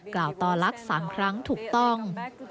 กล่าวต่อรัฐ๓ครั้งถูกต้อง